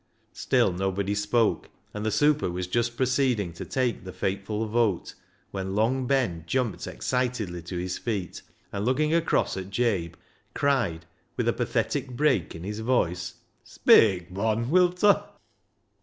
" Still nobody spoke, and the super was just proceeding to take the fateful vote when Long Ben jumped excitedly to his feet, and looking across at Jabe, cried, with a pathetic break in his voice —" Speik, mon, wilta ?